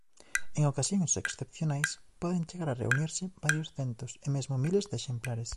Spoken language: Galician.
En ocasións excepcionais poden chegar a reunirse varios centos e mesmo miles de exemplares.